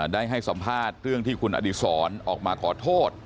ได้ให้สัมภาษณ์เรื่องที่คุณอดีศรออกมาขอโทษ